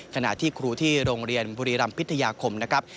ขณะที่ครูที่โรงเรียนบุรีรำพิทยาคมนะครับ